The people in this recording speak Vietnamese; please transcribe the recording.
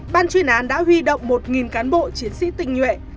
ban chuyên án đã huy động một cán bộ chiến sĩ tình nhuệ